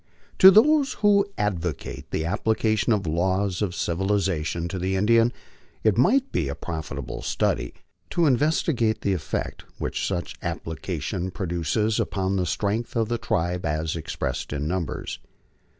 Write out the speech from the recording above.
To those who advocate the application of the laws of civilization to the Indian, it might be a profitable study to investigate the effect which such appli cation produces upon the strength of the tribe as expressed in numbers.